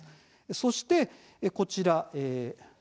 そして、こちら。